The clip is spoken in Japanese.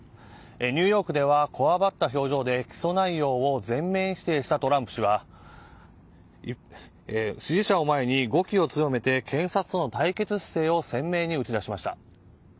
ニューヨークではこわばった表情で起訴内容を全面否定したトランプ氏は支持者を前に語気を強めて検察との対決姿勢を鮮明に打ち出しました。